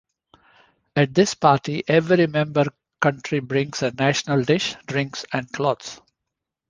At this party every member country brings a national dish, drinks and clothes.